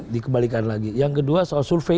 dikembalikan lagi yang kedua soal survei